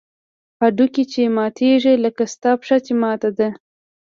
هډوکى چې ماتېږي لکه ستا پښه چې ماته ده.